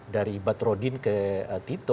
dari bat rodin ke tito